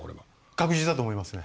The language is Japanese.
確実だと思いますね。